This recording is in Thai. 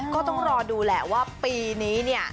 พอดูแหละว่าปีนี้เนี่ย